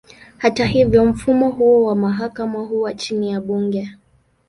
Hata hivyo, mfumo huo wa mahakama huwa chini ya bunge.